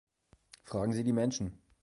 Fragen Sie die Menschen!